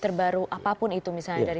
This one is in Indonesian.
terbaru apapun itu misalnya dari